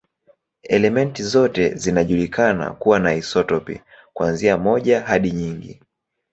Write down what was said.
Elementi zote zinajulikana kuwa na isotopi, kuanzia moja hadi nyingi.